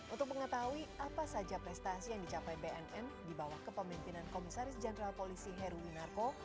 untuk mengetahui apa saja prestasi yang dicapai bnn di bawah kepemimpinan komisaris jenderal polisi heruwinarko